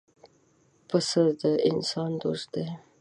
پسه د انسان دوست دی.